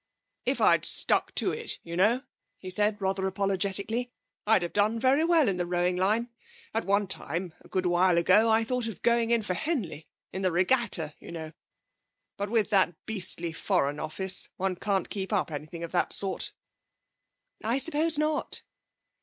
'If I'd stuck to it, you know,' he said, rather apologetically, 'I'd have done well in the rowing line. At one time a good while ago I thought of going in for Henley, in the Regatta, you know. But with that beastly Foreign Office one can't keep up anything of that sort.' 'I suppose not.'